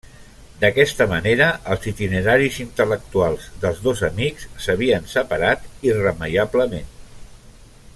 D'aquesta manera els itineraris intel·lectuals dels dos amics s'havien separat irremeiablement.